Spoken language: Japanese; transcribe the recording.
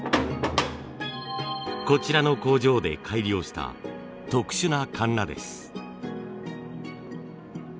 こちらの工場で改良した特殊なカンナです。